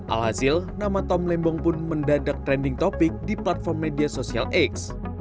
alhasil nama tom lembong pun mendadak trending topic di platform media sosial x